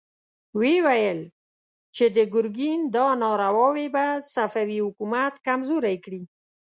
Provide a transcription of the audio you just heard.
ويې ويل چې د ګرګين دا نارواوې به صفوي حکومت کمزوری کړي.